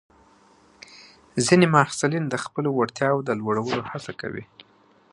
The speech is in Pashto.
ځینې محصلین د خپلو وړتیاوو د لوړولو هڅه کوي.